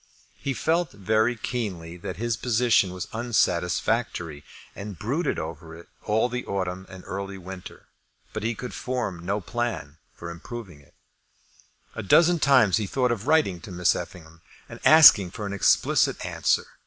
He felt very keenly that his position was unsatisfactory, and brooded over it all the autumn and early winter; but he could form no plan for improving it. A dozen times he thought of writing to Miss Effingham, and asking for an explicit answer.